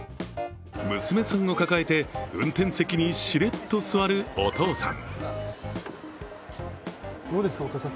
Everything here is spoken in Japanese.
娘さんを抱えて運転席にしれっと座るお父さん。